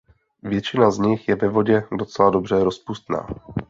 Většina z nich je ve vodě docela dobře rozpustná.